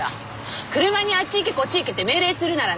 車にあっち行けこっち行けって命令するならね